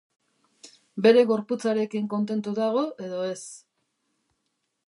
Bere gorputzarekin kontentu dago edo ez?